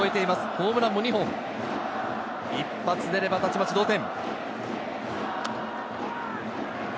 ホームランも２本、一発出れば、たちまち同点。